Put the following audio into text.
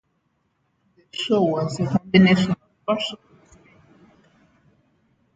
The show was a combination of fashion and failure.